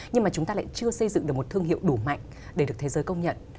nhưng mà chúng ta lại chưa xây dựng được một thương hiệu đủ mạnh để được thế giới công nhận